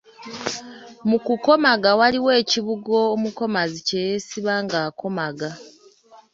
Mu kukomaga waliwo ekibugo omukomazi kye yeesiba ng’akomaga.